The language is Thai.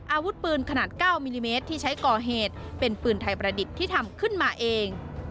อาวุธปืนขนาด๙มิลลิเมตรที่ใช้ก่อเหตุเป็นปืนไทยประดิษฐ์ที่ทำขึ้นมาเอง